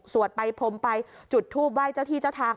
ไปพรมไปจุดทูปไหว้เจ้าที่เจ้าทาง